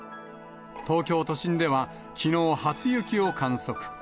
東京都心では、きのう、初雪を観測。